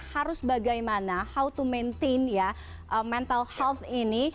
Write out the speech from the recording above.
harus bagaimana how to maintain ya mental health ini